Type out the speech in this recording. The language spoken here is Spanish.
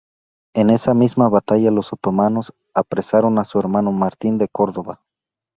En esa misma batalla los otomanos apresaron a su hermano Martín de Córdoba.